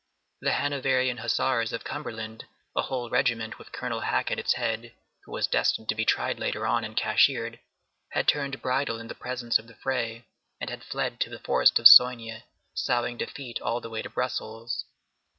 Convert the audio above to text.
The Hanoverian hussars of Cumberland, a whole regiment, with Colonel Hacke at its head, who was destined to be tried later on and cashiered, had turned bridle in the presence of the fray, and had fled to the forest of Soignes, sowing defeat all the way to Brussels.